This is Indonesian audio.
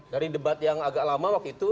dari debat yang agak lama waktu itu